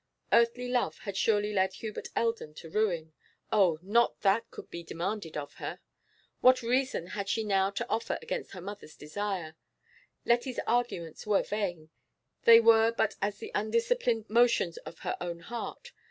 Earthly love had surely led Hubert Eldon to ruin; oh, not that could be demanded of her! What reason had she now to offer against her mother's desire? Letty's arguments were vain; they were but as the undisciplined motions of her own heart.